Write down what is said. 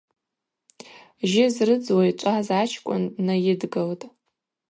Жьы зрыдзуа йчӏваз ачкӏвын днайыдгылтӏ.